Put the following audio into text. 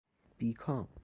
بی کام